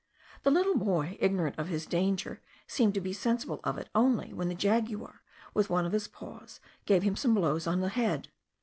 The little boy, ignorant of his danger, seemed to be sensible of it only when the jaguar with one of his paws gave him some blows on the head.